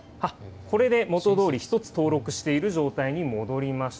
これで元どおり、１つ登録している状態に戻りました。